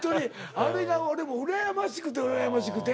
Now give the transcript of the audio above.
あれが俺もう羨ましくて羨ましくて。